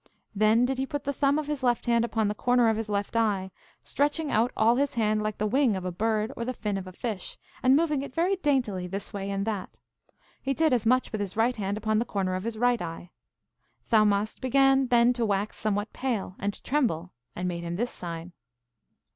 Then did he put the thumb of his left hand upon the corner of his left eye, stretching out all his hand like the wing of a bird or the fin of a fish, and moving it very daintily this way and that way, he did as much with his right hand upon the corner of his right eye. Thaumast began then to wax somewhat pale, and to tremble, and made him this sign.